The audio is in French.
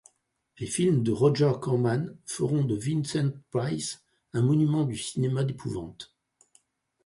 Les films de Roger Corman feront de Vincent Price un monument du cinéma d'épouvante.